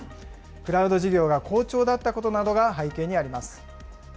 クラウド事業が好調だったことなどが背景にあります。